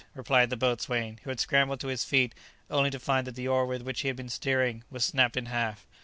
replied the boatswain, who had scrambled to his feet only to find that the oar with which he had been steering was snapped in half.